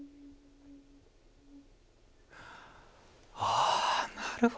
あなるほど。